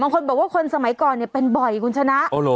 บางคนบอกว่าคนสมัยก่อนเนี้ยเป็นบ่อยคุณชนะอ๋อเหรอ